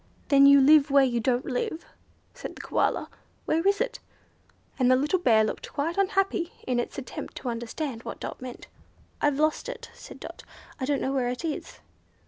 "Then you live where you don't live?" said the Koala; "Where is it?" and the little Bear looked quite unhappy in its attempt to understand what Dot meant. "I've lost it," said Dot. "I don't know where it is."